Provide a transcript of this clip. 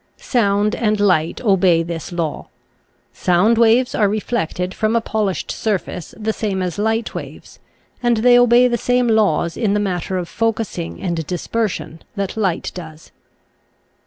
Sound and light obey this law. Sound waves are reflected from a polished surface the same as light waves, and they obey the same laws in the matter of focussing and dispersion that light does.